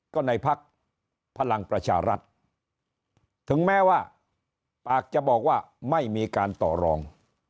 ก็ในพักพลังประชารัฐถึงแม้ว่าปากจะบอกว่าไม่มีการต่อรอง